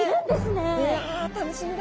いや楽しみだ！